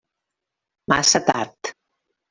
Massa tard.